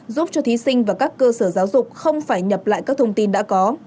giúp cho thí sinh và các cơ sở giáo dục không phải nhập lại các thông tin đã có